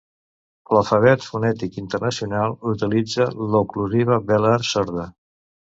L'alfabet fonètic internacional utilitza l'oclusiva velar sorda.